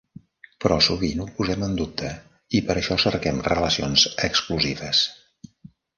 Però sovint ho posem en dubte i per això cerquem relacions exclusives.